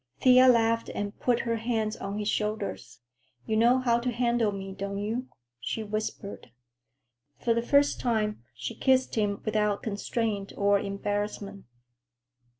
Thea laughed and put her hands on his shoulders. "You know how to handle me, don't you?" she whispered. For the first time, she kissed him without constraint or embarrassment.